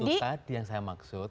itu tadi yang saya maksud